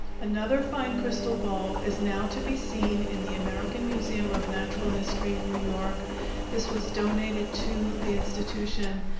Another fine crystal ball is now to be seen in the American Museum of Natural History, New York; this was donated to the institution.